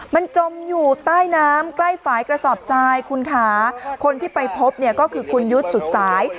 มันจมอยู่ใต้น้ำใกล้ฝ่ายกระสอบทรายคุณค่ะคนที่ไปพบเนี่ยก็คือคุณยุทธ์สุดสาย